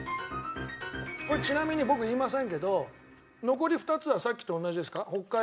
これちなみに僕言いませんけど残り２つはさっきと同じですか？